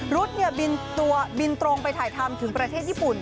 รุ๊ดบินตรงไปถ่ายทำถึงประเทศญี่ปุ่น